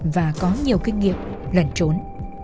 và có nhiều kinh nghiệm lẩn trốn